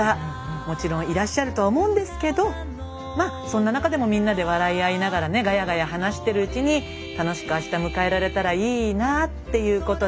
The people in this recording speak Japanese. もちろんいらっしゃるとは思うんですけどそんな中でもみんなで笑い合いながらねガヤガヤ話してるうちに楽しくあした迎えられたらいいなっていうことで。